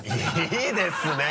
いいですね！